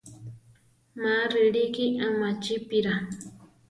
Má rilíki amachípira.